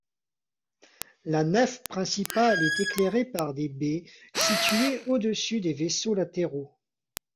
La nef principale est éclairée par des baies situées au-dessus des vaisseaux latéraux.